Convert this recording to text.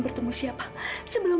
bertemu di video selanjutnya